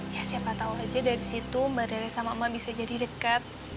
ya siapa tahu aja dari situ mbak dere sama emak bisa jadi dekat